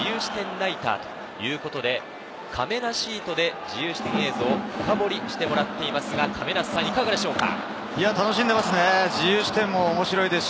ナイターということで、かめなシートで自由視点映像を深掘りしてもらっていますが、亀梨さんいかがでしょうか。